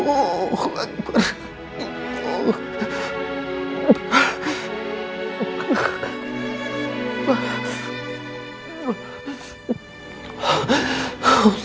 amin ya tuhan